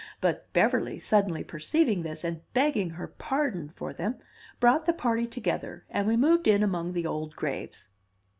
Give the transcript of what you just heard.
But Beverly, suddenly perceiving this, and begging her pardon for them, brought the party together, and we moved in among the old graves.